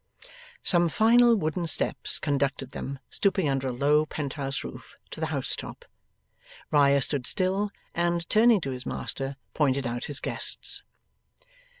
Some final wooden steps conducted them, stooping under a low penthouse roof, to the house top. Riah stood still, and, turning to his master, pointed out his guests.